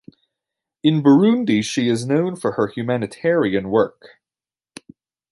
In Burundi she is known for her humanitarian work.